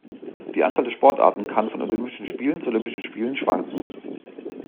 Die Anzahl der Sportarten kann von Olympischen Spielen zu Olympischen Spielen schwanken.